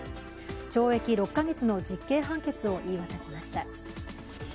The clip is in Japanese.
懲役６か月の実刑判決を言い渡しました。